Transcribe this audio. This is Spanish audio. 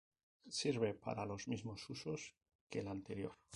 Sirve para los mismos usos que el anterior.